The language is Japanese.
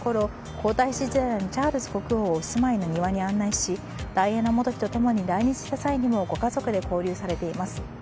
皇太子時代のチャールズ国王をお住まいの庭に案内しダイアナ元妃と共に来日した際にもご家族で交流されています。